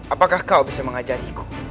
apakah kau bisa mengajariku